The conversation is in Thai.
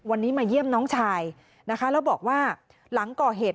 วันนี้มาเยี่ยมน้องชายนะคะแล้วบอกว่าหลังก่อเหตุ